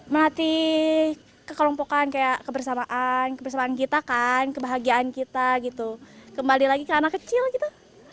melatih kekelompokan kayak kebersamaan kebersamaan kita kan kebahagiaan kita gitu kembali lagi ke anak kecil kita